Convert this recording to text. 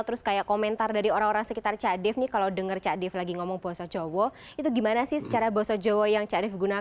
terus kayak komentar dari orang orang sekitar cak dave nih kalau dengar cak dave lagi ngomong bahasa jawa itu gimana sih secara bahasa jawa yang cak dave